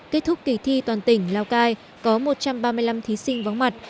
kết thúc kỳ thi toàn tỉnh lào cai có một trăm ba mươi năm thí sinh vắng mặt